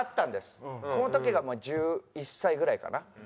この時が１１歳ぐらいかな？